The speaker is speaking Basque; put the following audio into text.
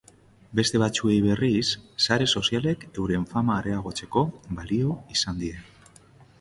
Beste batzuei, berriz, sare sozialek euren fama areagotzeko balio izan die.